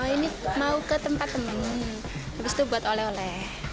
ini mau ke tempat temen habis itu buat oleh oleh